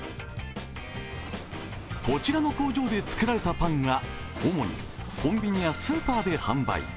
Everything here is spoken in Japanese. こちらの工場で作られたパンは主にコンビニやスーパーで販売。